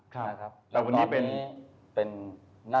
แต่วันนี้เป็น